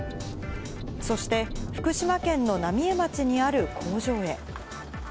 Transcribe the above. そして福島県の浪江町にある工場へ。